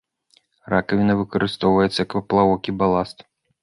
Ракавіна выкарыстоўваецца як паплавок і баласт.